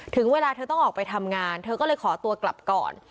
ถึงเวลาเธอต้องออกไปทำงานเธอก็เลยขอตัวกลับก่อน